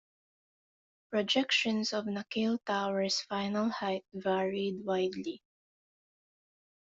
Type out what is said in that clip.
Projections of Nakheel Tower's final height varied widely.